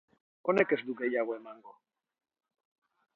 Honek ez du gehiago emango.